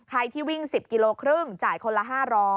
ที่วิ่ง๑๐กิโลครึ่งจ่ายคนละ๕๐๐